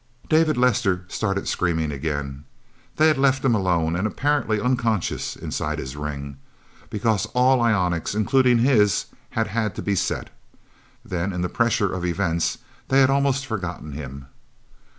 David Lester started screaming again. They had left him alone and apparently unconscious, inside his ring, because all ionics, including his, had had to be set. Then, in the pressure of events, they had almost forgotten him.